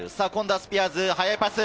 スピアーズ、速いパス！